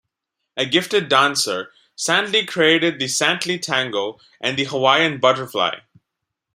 A gifted dancer, Santley created the "Santley Tango" and the "Hawaiian Butterfly".